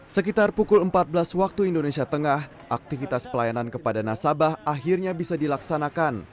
sekitar pukul empat belas waktu indonesia tengah aktivitas pelayanan kepada nasabah akhirnya bisa dilaksanakan